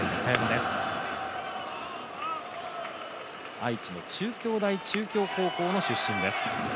愛知の中京大中京高校の出身です。